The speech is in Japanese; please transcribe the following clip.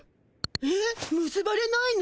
えっ？むすばれないの？